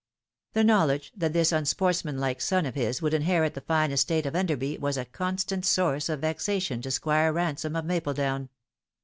The knowledge that this unsportsmanlike son of his would inherit the fine estate of Enderby was a constant source of vexation to Squire Ransome of Mapledown.